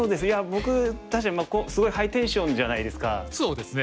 僕すごいハイテンションじゃないですか。